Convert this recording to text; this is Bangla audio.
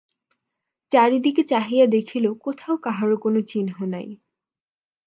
চারিদিকে চাহিয়া দেখিল, কোথাও কাহারো কোনো চিহ্ন নাই।